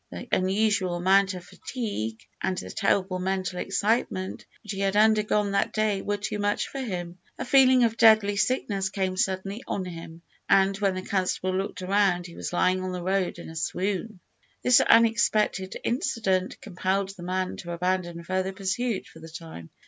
The unusual amount of fatigue and the terrible mental excitement which he had undergone that day were too much for him. A feeling of deadly sickness came suddenly on him, and when the constable looked round he was lying on the road in a swoon. This unexpected incident compelled the man to abandon further pursuit for the time.